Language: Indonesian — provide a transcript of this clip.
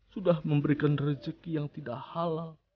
sudah memberikan rezeki yang tidak halal